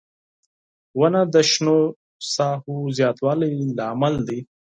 • ونه د شنو ساحو زیاتوالي لامل دی.